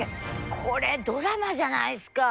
これドラマじゃないっすか。